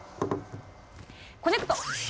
コネクト！